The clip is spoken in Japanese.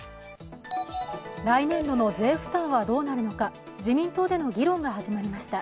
来年度の税負担はどうなるのか、自民党での議論が始まりました。